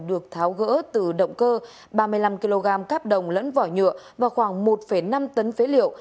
được tháo gỡ từ động cơ ba mươi năm kg cáp đồng lẫn vỏ nhựa và khoảng một năm tấn phế liệu